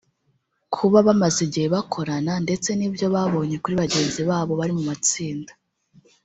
Kuba bamaze igihe bakorana ndetse n’ibyo babonye kuri bagenzi babo bari mu matsinda